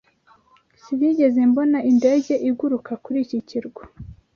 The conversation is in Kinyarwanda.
Sinigeze mbona indege iguruka kuri iki kirwa.